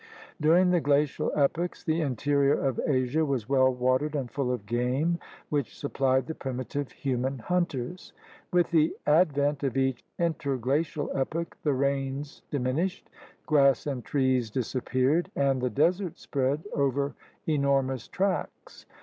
During the glacial epochs the interior of Asia was well watered and full of game which supplied the primitive human hunters. With the advent of each interglacial epoch the rains diminished, grass and trees disappeared, and the desert spread over enormous tracts.